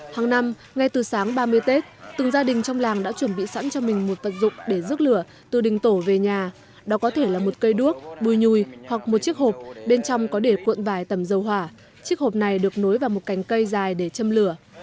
hàng năm ngay từ sáng ba mươi tết từng gia đình trong làng đã chuẩn bị sẵn cho mình một vật dụng để rước lửa từ đình tổ về nhà đó có thể là một cây đuốc bùi nhùi hoặc một chiếc hộp bên trong có để cuộn vải tẩm dầu hỏa chiếc hộp này được nối vào một cành cây dài để châm lửa